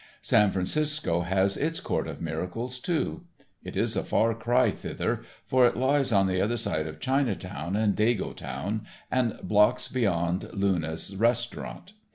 San Francisco has its Court of Miracles too. It is a far cry thither, for it lies on the other side of Chinatown and Dagotown, and blocks beyond Luna's restaurant.